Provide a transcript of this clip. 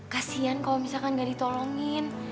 kasian kalau misalkan nggak ditolongin